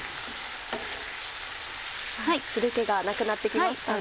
汁気がなくなってきましたね。